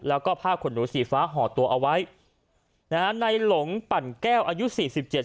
แล้วก็ผ้าขนหนูสีฟ้าห่อตัวเอาไว้นะฮะในหลงปั่นแก้วอายุสี่สิบเจ็ด